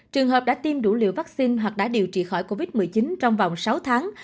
trường hợp đã tiêm đủ liều vaccine hoặc đã điều trị khỏi covid một mươi chín trong vòng sáu tháng